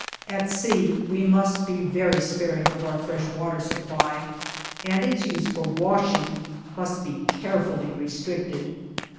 At sea, we must be very sparing of our fresh water supply, and its use for washing must be carefully restricted.